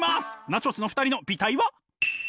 ナチョス。の２人の媚態は？